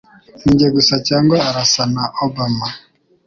Ninjye gusa cyangwa arasa na Obama?